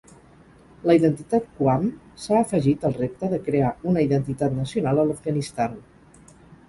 La identitat Qawm s'ha afegit al repte de crear una identitat nacional a l'Afganistan.